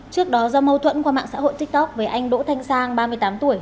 trước đó do mâu thuẫn qua mạng xã hội tiktok với anh đỗ thanh sang ba mươi tám tuổi